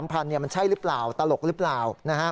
มันใช่หรือเปล่าตลกหรือเปล่า